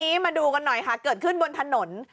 มาดูกันหน่อยค่ะเกิดขึ้นบนถนน